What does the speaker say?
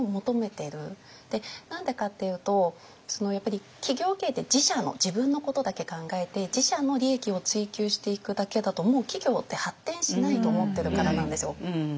何でかっていうとやっぱり企業経営って自社の自分のことだけ考えて自社の利益を追求していくだけだともう企業って発展しないと思ってるからなんですよ。